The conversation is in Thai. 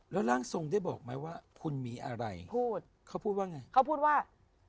แล้วร่างทรงได้บอกไหมว่าคุณมีอะไรพูดเขาพูดว่าไงเขาพูดว่า